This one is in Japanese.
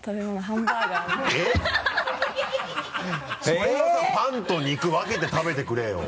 それはさパンと肉分けて食べてくれよ。